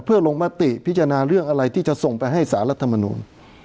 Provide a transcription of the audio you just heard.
เพื่อลงมติพิจารณาเรื่องอะไรที่จะส่งไปให้สารรัฐมนูล